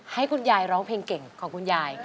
ให้คุณยายร้องเพลงเก่งของคุณยาย